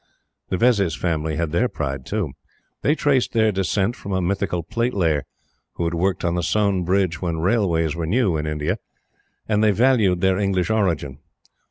The Vezzis Family had their pride too. They traced their descent from a mythical plate layer who had worked on the Sone Bridge when railways were new in India, and they valued their English origin.